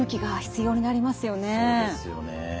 そうですよね。